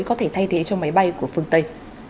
có thể thay thế cho máy bay của phương tây